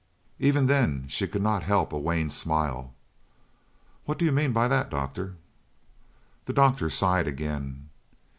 Even then she could not help a wan smile. "What do you mean by that, doctor?" The doctor sighed again.